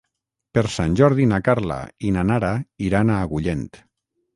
Per Sant Jordi na Carla i na Nara iran a Agullent.